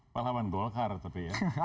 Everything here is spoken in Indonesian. pahlawan golkar tapi ya